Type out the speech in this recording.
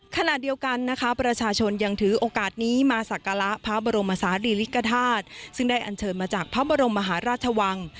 ขณะเดียวกันนะคะประชาชนยังถือโอกาสนี้มาสักการะพระบรมศาลีริกฐาตุซึ่งได้อันเชิญมาจากพระบรมมหาราชวัง